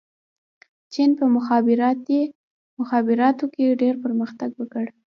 چین په مخابراتو کې ډېر پرمختګ وکړ.